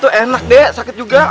aduh udah sakit ya